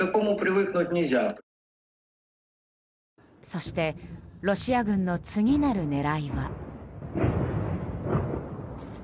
そしてロシア軍の次なる狙いは。